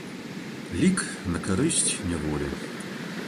Лік на карысць няволі.